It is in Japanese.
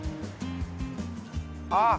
あっ！